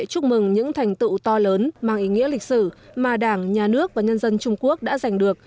chúc mừng những thành tựu to lớn mang ý nghĩa lịch sử mà đảng nhà nước và nhân dân trung quốc đã giành được